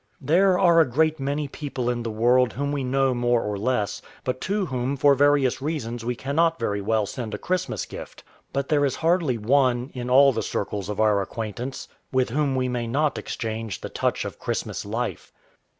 There are a great many people in the world whom we know more or less, but to whom for various reasons we cannot very well send a Christmas gift. But there is hardly one, in all the circles of our acquaintance, with whom we may not exchange the touch of Christmas life.